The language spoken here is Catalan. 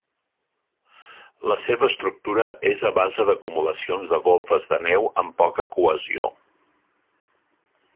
La seva estructura és a base d'acumulacions de volves de neu amb poca cohesió.